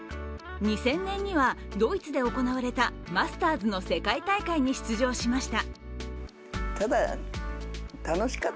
２０００年にはドイツで行われたマスターズの世界大会に出場しました。